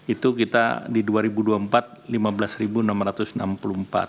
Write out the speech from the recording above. itu kita di dua ribu dua puluh empat lima belas enam ratus enam puluh empat